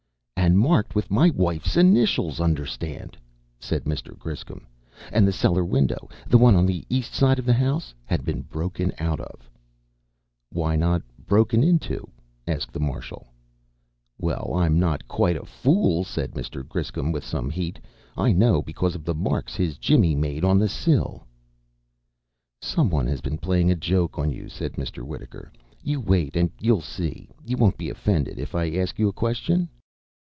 "And marked with my wife's initials understand!" said Mr. Griscom. "And the cellar window the one on the east side of the house had been broken out of." "Why not broken into?" asked the Marshal. "Well, I'm not quite a fool," said Mr. Griscom with some heat. "I know because of the marks his jimmy made on the sill." "Some one has been playing a joke on you," said Mr. Wittaker. "You wait, and you'll see. You won't be offended if I ask you a question?"